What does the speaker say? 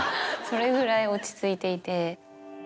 それぐらい落ち着いていて。